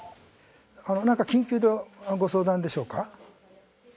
なんか緊急のご相談でしょうか？